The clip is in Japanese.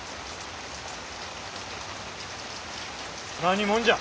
何者じゃ。